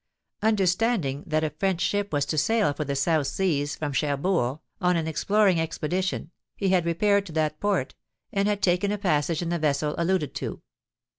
Understanding that a French ship was to sail for the South Seas, from Cherbourg, on an exploring expedition, he had repaired to that port, and had taken a passage in the vessel alluded to.